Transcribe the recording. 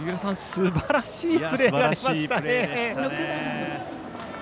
すばらしいプレーでしたね。